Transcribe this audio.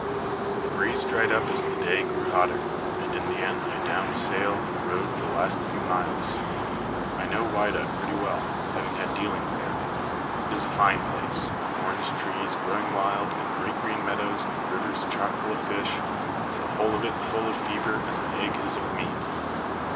The breeze dried up as the day grew hotter, and in the end I downed sail and rowed the last few miles. I know Whydah pretty well, having had dealings there. It is a fine place, with orange trees growing wild and great green meadows, and rivers chock full of fish, and the whole of it full of fever as an egg is of meat.